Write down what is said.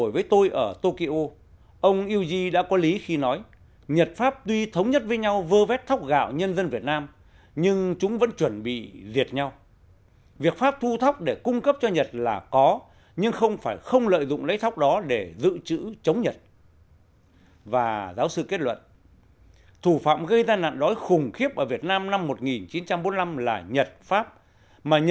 và giáo sư kết luận